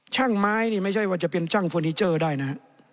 ช่างไม้นี่ไม่ใช่ว่าจะเป็นช่างเฟอร์นิเจอร์ได้นะฮะ